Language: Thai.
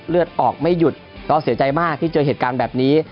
เลือดออกไม่หยุดก็เสียใจมากที่เจอเหตุการณ์แบบนี้